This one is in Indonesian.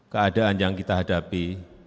keadaan yang kita hadapi